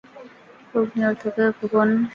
অগ্নির্যথৈকো ভুবনং প্রবিষ্টো রূপং রূপং প্রতিরূপো বভূব।